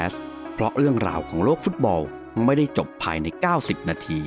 สวัสดีครับ